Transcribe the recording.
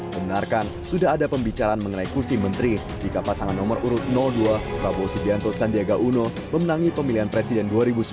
membenarkan sudah ada pembicaraan mengenai kursi menteri jika pasangan nomor urut dua prabowo subianto sandiaga uno memenangi pemilihan presiden dua ribu sembilan belas